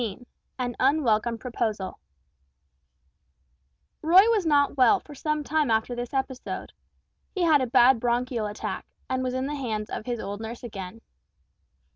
XV AN UNWELCOME PROPOSAL Roy was not well for some time after this episode. He had a bad bronchial attack, and was in the hands of his old nurse again.